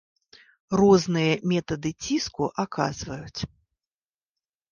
Розныя метады ціску аказваюць.